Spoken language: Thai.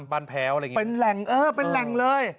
แพ้วอะไรอย่างนี้เป็นแหล่งเออเป็นแหล่งเลย